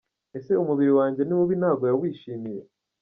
Ese umubiri wanjye ni mubi ntago yawishimiye? .